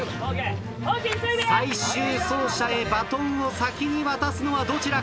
最終走者へバトンを先に渡すのはどちらか。